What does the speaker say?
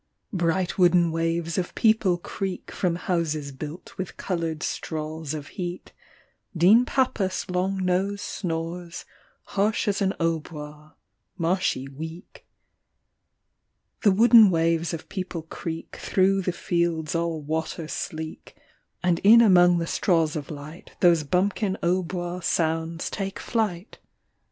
Bright wooden waves of people creak From houses built with coloured straws Of heat ; Dean Pappus' long nose snores Harsh as a hautbois, marshy weak. The wooden waves of people creak Through the fields all water sleek And in among the straws of light Those bumpkin hautbois sounds take flight 79 What the Goosegirl said about the Dean.